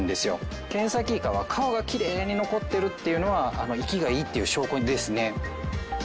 ケンサキイカは皮がきれいに残ってるっていうのは生きがいいっていう証拠ですね。